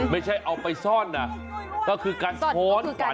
ไม่ใช่เอาไปซ่อนก็คือการค้อนฝัน